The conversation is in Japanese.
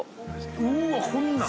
◆うわ、こんなん